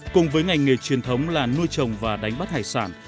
cùng với ngành nghề truyền thống là nuôi trồng và đánh bắt hải sản